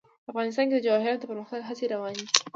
افغانستان کې د جواهرات د پرمختګ هڅې روانې دي.